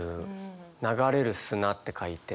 流れる砂って書いて「流砂」。